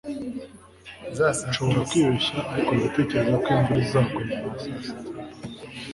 Nshobora kwibeshya ariko ndatekereza ko imvura izagwa nyuma ya saa sita